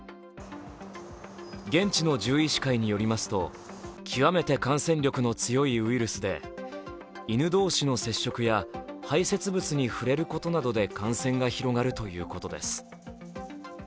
現地の獣医師会によりますと、極めて感染力の強いウイルスで、犬同士の接触や、排せつ物に触れることなどで感染が広がるということです。